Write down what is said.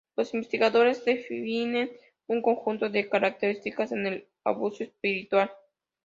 Los investigadores definen un conjunto de características en el abuso espiritual.